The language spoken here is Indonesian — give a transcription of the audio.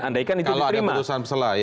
andaikan itu diterima